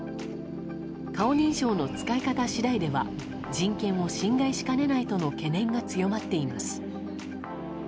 顔認証の使い方次第では人権を侵害しかねないとの懸念が強まっています。